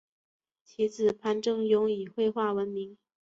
其子潘振镛以绘画闻名。